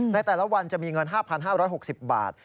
ในแต่ละวันจะมีเงิน๕๕๖๐บาท